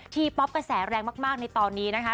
ป๊อปกระแสแรงมากในตอนนี้นะคะ